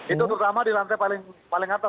itu terutama di lantai paling atas lantai dua